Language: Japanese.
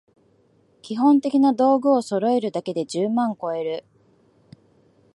基本的な道具をそろえるだけで十万こえる